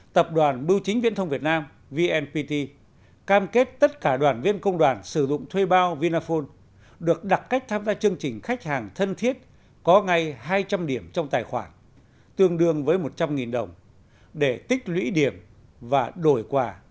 tập đoàn bưu chính viễn thông việt nam vnpt cam kết tất cả đoàn viên công đoàn sử dụng thuê bao vinaphone được đặt cách tham gia chương trình khách hàng thân thiết có ngay hai trăm linh điểm trong tài khoản tương đương với một trăm linh đồng để tích lũy điểm và đổi quả